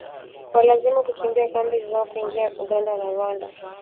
kuwalazimu kukimbia kambi zao na kuingia Uganda na Rwanda